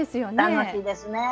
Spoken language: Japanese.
楽しいですね。